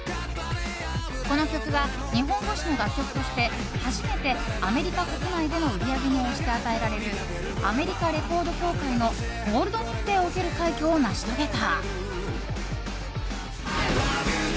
この曲が日本語詞の楽曲として初めてアメリカ国内での売り上げに応じて与えられるアメリカレコード協会のゴールド認定を受ける快挙を成し遂げた。